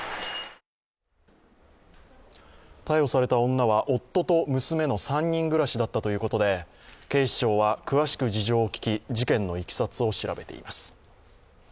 女は夫と娘の３人暮らしだったということで警視庁は詳しく事情を聞き、事件のいきさつを調べています。